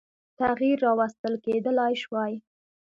تغییر راوستل کېدلای شوای.